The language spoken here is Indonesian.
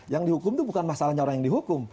yang dihukum itu bukan masalahnya orang yang dihukum